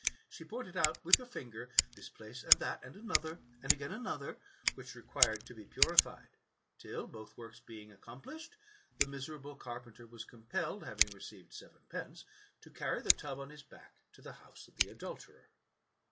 She pointed out, with her finger, this place and that, and another, and again another, which required to be purified, till, both works bemg accom plished, the miserable carpenter was compelled, having received seven pence, to carry the tub on his back to the house of the adulterer.